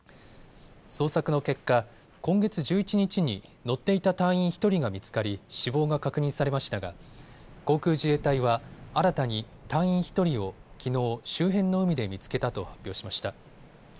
捜索の結果、今月１１日に乗っていた隊員１人が見つかり死亡が確認されましたが航空自衛隊は新たに隊員１人をきのう、周辺の海で見つけたと発表しました。